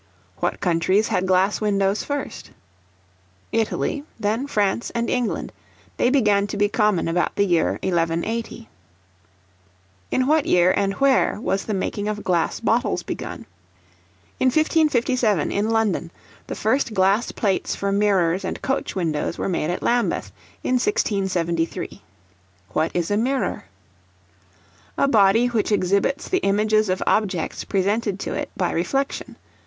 What countries had glass windows first? Italy, then France and England; they began to be common about the year 1180. In what year, and where, was the making of glass bottles begun? In 1557, in London. The first glass plates for mirrors and coach windows were made at Lambeth, in 1673. What is a Mirror? A body which exhibits the images of objects presented to it by reflection.